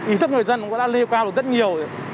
ý thức người dân cũng đã liên quan được rất nhiều